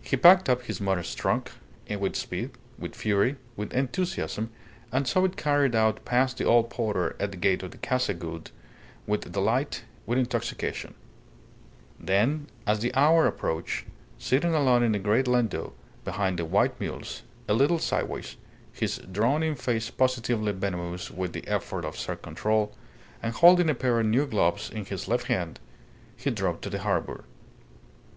He packed up his modest trunk with speed, with fury, with enthusiasm, and saw it carried out past the old porter at the gate of the Casa Gould with delight, with intoxication; then, as the hour approached, sitting alone in the great landau behind the white mules, a little sideways, his drawn in face positively venomous with the effort of self control, and holding a pair of new gloves in his left hand, he drove to the harbour.